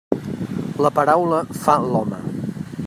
La paraula fa l'home.